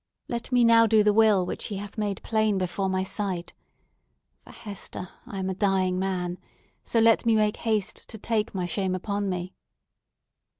Let me now do the will which He hath made plain before my sight. For, Hester, I am a dying man. So let me make haste to take my shame upon me!"